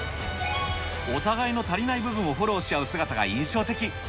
お互いの足りない部分をフォローし合う姿が印象的。